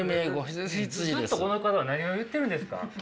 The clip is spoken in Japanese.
ずっとこの方は何を言ってるんですか？